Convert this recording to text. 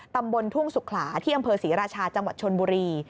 ตำบลทุ่งสุขลาที่อำเภอศรีราชาจังหวัดชนบุรี